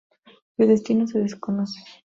Su destino se desconoce.